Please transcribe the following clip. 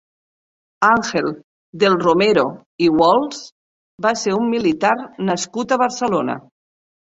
Àngel del Romero i Walsh va ser un militar nascut a Barcelona.